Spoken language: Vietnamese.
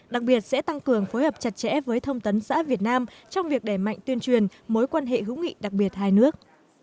đặc biệt sẽ tăng cường phối hợp chặt chẽ với thông tấn xã việt nam trong việc đẩy mạnh tuyên truyền mối quan hệ hữu nghị đặc biệt hai nước